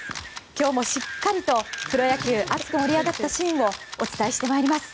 今日もしっかりとプロ野球熱く盛り上がったシーンをお伝えしてまいります。